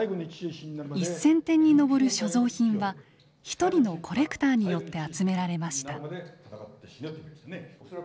１，０００点に上る所蔵品は一人のコレクターによって集められました。